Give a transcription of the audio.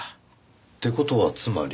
って事はつまり。